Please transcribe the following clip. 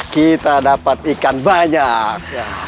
kita dapat ikan banyak